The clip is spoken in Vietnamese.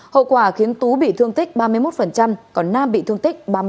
hậu quả khiến tú bị thương tích ba mươi một còn nam bị thương tích ba mươi